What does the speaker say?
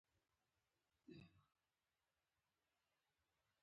هیڅوک پوهېږې نه،